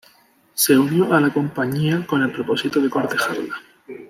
Se unió a la compañía con el propósito de cortejarla.